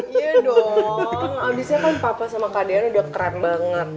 iya dong abisnya kan papa sama kak dean udah keren banget